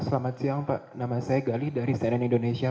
selamat siang pak nama saya gali dari cnn indonesia